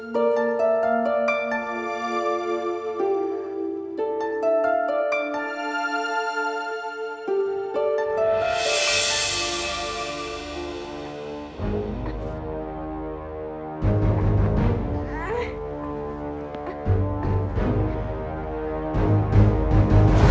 terima kasih pak